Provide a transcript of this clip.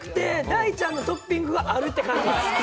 大ちゃんのトッピングがあるって感じです。